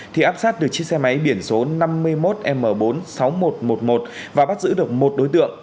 thì áp sát được chiếc xe máy biển số năm mươi một m bốn mươi sáu nghìn một trăm một mươi một và bắt giữ được một đối tượng